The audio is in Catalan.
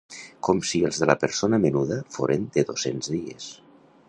Com si els de la persona menuda foren de dos-cents dies.